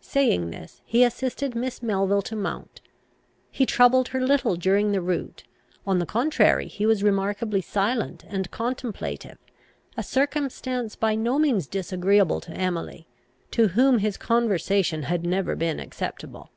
Saying this, he assisted Miss Melville to mount. He troubled her little during the route; on the contrary, he was remarkably silent and contemplative, a circumstance by no means disagreeable to Emily, to whom his conversation had never been acceptable.